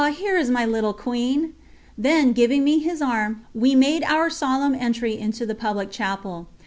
Here is my little Queen!" Then, giving me his arm, we made our solemn entry into the public Chapel.